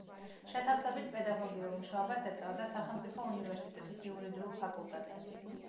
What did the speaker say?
შეთავსებით პედაგოგიურ მუშაობას ეწეოდა სახელმწიფო უნივერსიტეტის იურიდიულ ფაკულტეტზე.